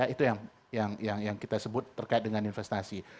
itu yang kita sebut terkait dengan investasi